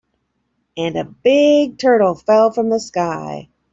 And a big turtle fell from the sky.